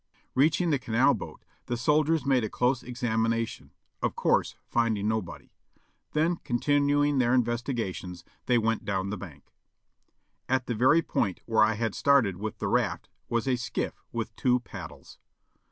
Reaching the canal boat, the soldiers made a close examina tion, of course finding nobody ; then, continuing their investiga tions, they went down the bank. At the very point where I had started with the raft was a skiff with two paddles.